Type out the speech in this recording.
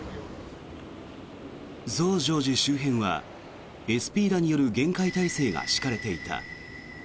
増上寺周辺はＳＰらによる厳戒態勢が敷かれていた。